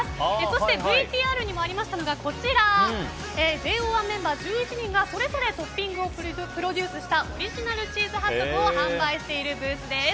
そしてＶＴＲにもありましたのがこちらＪＯ１メンバー１１人がそれぞれトッピングをプロデュースしたオリジナルチーズハットグを販売しているブースです。